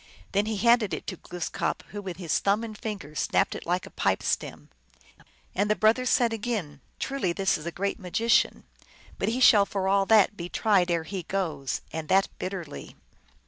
Then he handed it to Glooskap, who with his thumb and fingers snapped it like a pipe stem. And the brothers said again, " Truly, this is a great maoician. But he shall for all that be tried ere he O goes, and that bitterly."